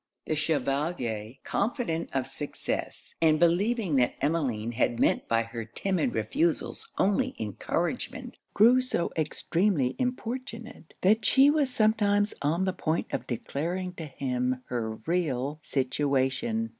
The Chevalier, confident of success, and believing that Emmeline had meant by her timid refusals only encouragement, grew so extremely importunate, that she was sometimes on the point of declaring to him her real situation.